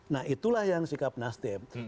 nah itulah yang sikap nasdem